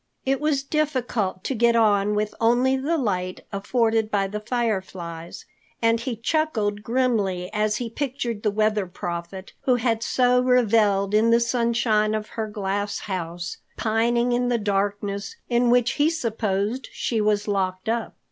It was difficult to get on with only the light afforded by the fireflies, and he chuckled grimly as he pictured the Weather Prophet, who had so reveled in the sunshine of her glass house, pining in the darkness in which he supposed she was locked up.